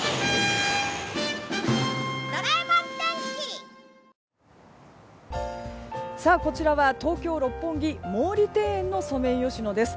東京海上日動こちらは東京・六本木毛利庭園のソメイヨシノです。